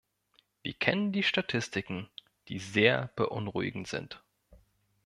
Wir kennen die Statistiken, die sehr beunruhigend sind.